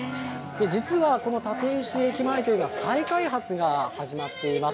実はこの立石駅前というのは、再開発が始まっています。